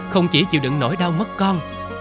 không chỉ chịu đựng nỗi đau mất con